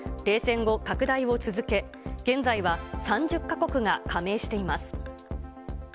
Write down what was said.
冷戦後、拡大を続け、現在は３０か国が加盟しています。